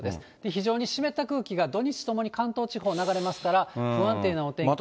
非常に湿った空気が、土日共に関東地方、流れますから、不安定なお天気。